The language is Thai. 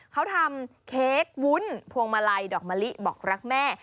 เขาทำเค้กวุ้นพวงมาลัยดอกมะลิบอกรักแม่